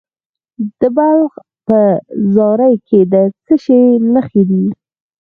د بلخ په زاري کې د څه شي نښې دي؟